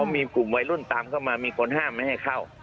มีกลุ่มวัยรุ่นตามเข้ามามีคนห้ามไม่ให้เข้า